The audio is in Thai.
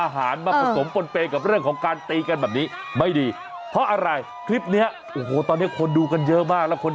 เฮ้ยเฮ้ยเฮ้ยเฮ้ยเฮ้ย